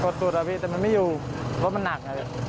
กดสันตระวิทย์แต่มันไม่อยู่เพราะมันหนัก